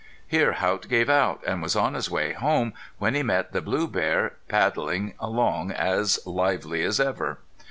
Here Haught gave out, and was on his way home when he met the blue bear padding along as lively as ever.